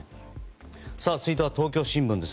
続いては東京新聞。